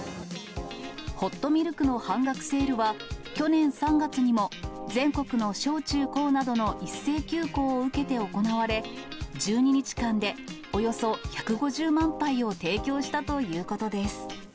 ホットミルクの半額セールは、去年３月にも、全国の小中高などの一斉休校を受けて行われ、１２日間でおよそ１５０万杯を提供したということです。